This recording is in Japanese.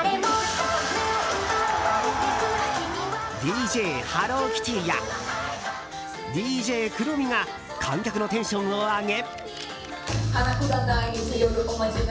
ＤＪハローキティやＤＪクロミが観客のテンションを上げ。